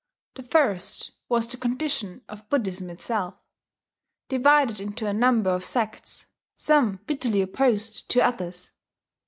The first was the condition of Buddhism itself, divided into a number of sects, some bitterly opposed to others.